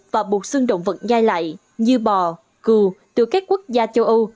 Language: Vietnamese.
và bột xương động vật nhai lại như bò cưu từ các quốc gia châu âu